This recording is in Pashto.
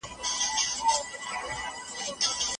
د زور کارول هيڅکله تلپاتې حل لاره نه ده.